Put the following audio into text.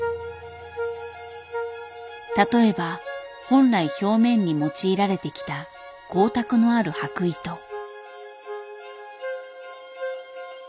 例えば本来表面に用いられてきた光沢のある箔糸。